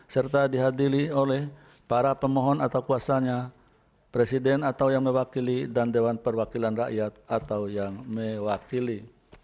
serta dihadiri oleh para pemohon atau kuasanya presiden atau yang mewakili dan dewan perwakilan rakyat atau yang mewakili